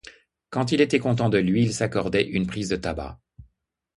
Quand il était content de lui, il s’accordait une prise de tabac.